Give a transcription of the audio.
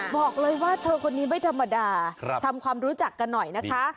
บอกเลยว่าเธอคนนี้ไม่ธรรมดาทำความรู้จักกันหน่อยนะคะ